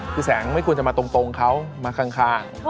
คือแสงไม่ควรจะมาตรงเขามาข้าง